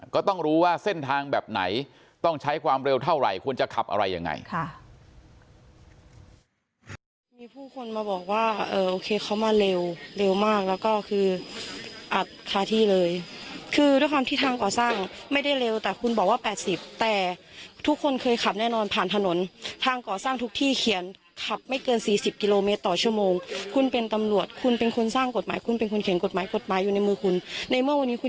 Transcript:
ก็ต้องรู้ว่าเส้นทางแบบไหนต้องใช้ความเร็วเท่าไหร่ควรจะขับอะไรยังไง